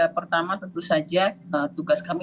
pertama tentu saja tugas kami